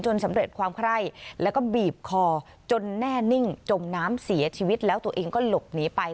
สำเร็จความไคร้แล้วก็บีบคอจนแน่นิ่งจมน้ำเสียชีวิตแล้วตัวเองก็หลบหนีไป